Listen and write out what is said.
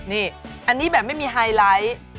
นี่อันนี้แบบไม่มีไฮไลท์